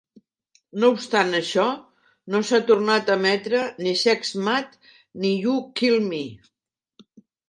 No obstant això, no s"han tornat a emetre ni "Sex Mad" ni "You Kill Me".